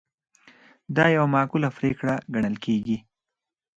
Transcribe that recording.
دا یوه معقوله پرېکړه ګڼل کیږي.